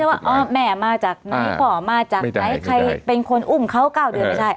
ไม่ใช่ว่าอ้อแม่มาจากอ่านี่พ่อมาจากไม่ได้ไม่ได้ใครเป็นคนอุ่มเขาเก้าเดือนไม่ได้